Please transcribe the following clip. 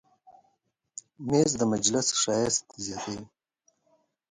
مېز د صحن ښایست زیاتوي.